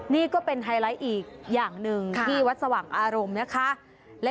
นี่ก็เป็นไฮไลท์อีกอย่างหนึ่งที่วัดสว่างอารมณ์นะคะ